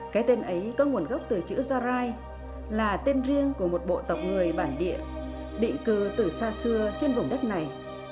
cái tên ấy có nguồn gốc từ chữ gia rai là tên riêng của một bộ tộc người bản địa định cư từ xa xưa trên vùng đất này